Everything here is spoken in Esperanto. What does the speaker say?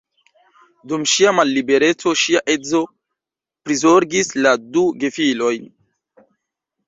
Dum ŝia mallibereco ŝia edzo prizorgis la du gefilojn.